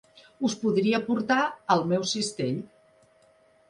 Us podria portar al meu cistell.